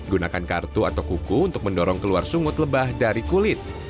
gunakan kartu atau kuku untuk mendorong keluar sungut lebah dari kulit